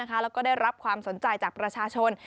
แล้วก็ได้รับความสนใจจากประชาชน